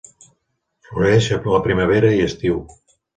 Floreix a la primavera i estiu.